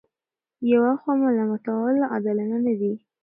یوه خوا ملامتول عادلانه نه دي.